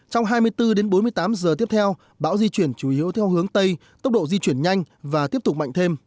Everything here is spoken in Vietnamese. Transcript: trong hai mươi bốn đến bốn mươi tám giờ tiếp theo bão di chuyển chủ yếu theo hướng tây tốc độ di chuyển nhanh và tiếp tục mạnh thêm